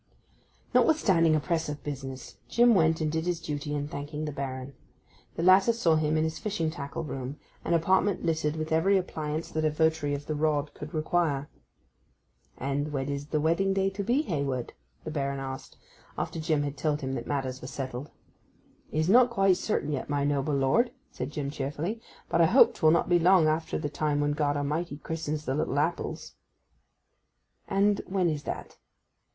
Notwithstanding a press of business, Jim went and did his duty in thanking the Baron. The latter saw him in his fishing tackle room, an apartment littered with every appliance that a votary of the rod could require. 'And when is the wedding day to be, Hayward?' the Baron asked, after Jim had told him that matters were settled. 'It is not quite certain yet, my noble lord,' said Jim cheerfully. 'But I hope 'twill not be long after the time when God A'mighty christens the little apples.' 'And when is that?